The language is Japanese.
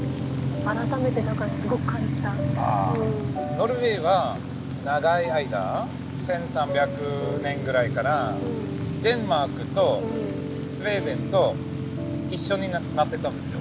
ノルウェーは長い間１，３００年くらいからデンマークとスウェーデンと一緒になってたんですよ。